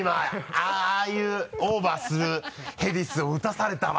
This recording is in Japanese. ああいうオーバーするヘディスを打たされたわ。